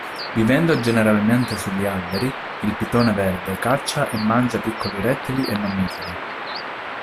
Vivendo generalmente sugli alberi, il pitone verde caccia e mangia piccoli rettili e mammiferi.